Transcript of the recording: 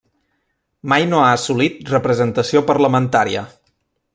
Mai no ha assolit representació parlamentària.